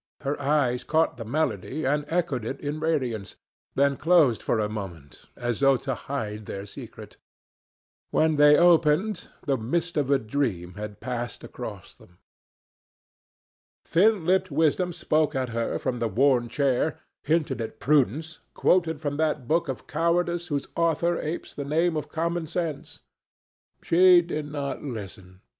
Her eyes caught the melody and echoed it in radiance, then closed for a moment, as though to hide their secret. When they opened, the mist of a dream had passed across them. Thin lipped wisdom spoke at her from the worn chair, hinted at prudence, quoted from that book of cowardice whose author apes the name of common sense. She did not listen.